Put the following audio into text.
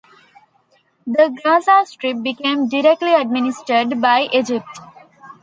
The Gaza Strip became directly administered by Egypt.